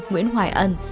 nguyễn hoài ẩn